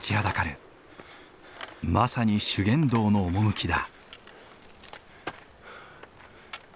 まさに修験道の趣だ。